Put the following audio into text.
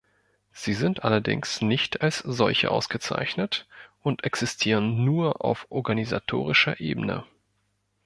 Sie sind allerdings nicht als solche ausgezeichnet und existieren nur auf organisatorischer Ebene.